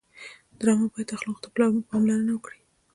ډرامه باید اخلاقو ته پاملرنه وکړي